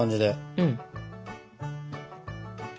うん。